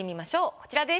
こちらです。